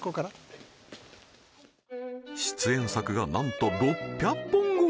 はい出演作がなんと６００本超え！